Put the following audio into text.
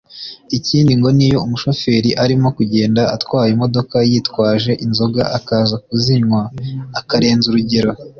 Ikindi ngo n’iyo umushoferi arimo kugenda atwaye imodoka yitwaje inzoga akaza kuzinywa akarenza urugero